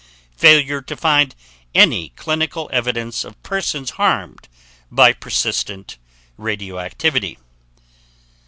Failure to find any clinical evidence of persons harmed by persistent radioactivity.